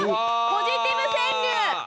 ポジティブ川柳！